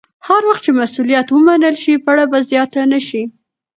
هر وخت چې مسوولیت ومنل شي، پړه به زیاته نه شي.